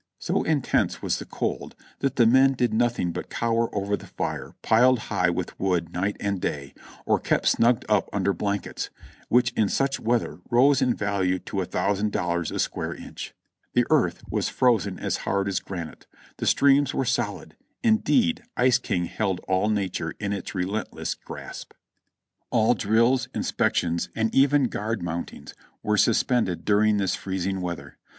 So intense was the cold that the men did nothing but cower over the fire piled high with wood night and day, or keep snug ged up under blankets, which in such weather rose in value to a thousand dollars a square inch. The earth was frozen as hard as granite; the streams were solid ; indeed Ice King held all nature in a relentless grasp. All drills, inspections and even guard mountings were sus pended during this freezing weather.